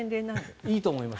いいと思います。